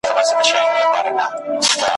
خلکو اسلام دی درته راغلی `